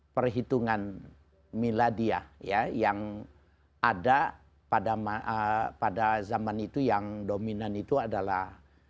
perhitungan miladiah yang ada pada zaman itu yang dominan itu adalah